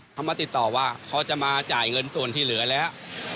เขามาติดต่อว่าเขาจะมาจ่ายเงินส่วนที่เหลือแล้ว